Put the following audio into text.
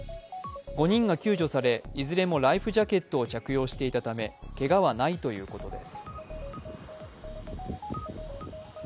５人が救助され、いずれもライフジャケットを着用していたためけがはないということです。